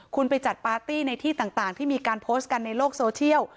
คุณไปจัดปาร์ตี้ในที่ต่างที่มีการโพสต์กันในโลกโซเชียล